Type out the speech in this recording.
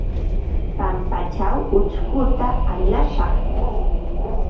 Pampaćhaw ućhkuta alashaq.